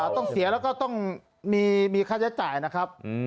ต้องเสียแล้วก็ต้องมีค่าใช้จ่ายนะครับ